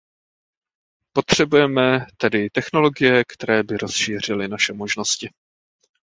Potřebujeme tedy technologie, které by rozšířily naše možnosti.